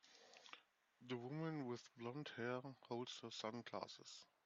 The woman with blondhair holds her sunglasses.